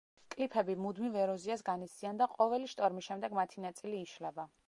კლიფები მუდმივ ეროზიას განიცდიან და ყოველი შტორმის შემდეგ მათი ნაწილი იშლება.